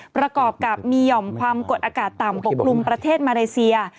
ประกอบกับมีหย่อมความกดอากาศต่ำปกคลุมประเทศมาเลเซีย